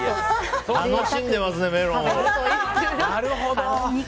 楽しんでますね、メロンを。